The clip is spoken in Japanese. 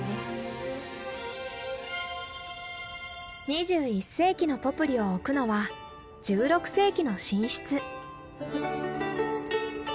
２１世紀のポプリを置くのは１６世紀の寝室。